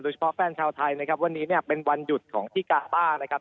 เฉพาะแฟนชาวไทยนะครับวันนี้เนี่ยเป็นวันหยุดของที่กาต้านะครับ